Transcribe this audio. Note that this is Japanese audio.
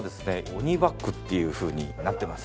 鬼バッグっていうふうになってます。